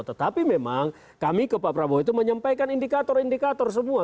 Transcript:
tetapi memang kami ke pak prabowo itu menyampaikan indikator indikator semua